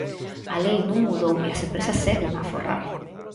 "A lei non mudou e as empresas seguen a aforrar".